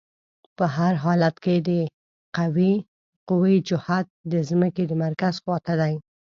په هر حالت کې د قوې جهت د ځمکې د مرکز خواته دی.